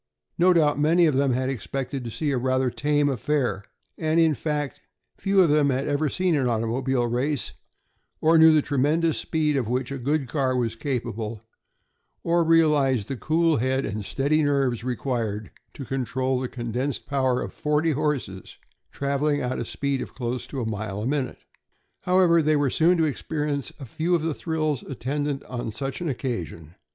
No doubt many of them had expected to see a rather tame affair, and in fact few of them had ever seen an automobile race, or knew the tremendous speed of which a good car was capable, or realized the cool head and steady nerves required to control the condensed power of forty horses traveling at a speed of close to a mile a minute. However, they were soon to experience a few of the thrills attendant on such an occasion.